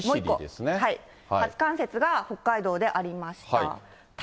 初冠雪が北海道でありました。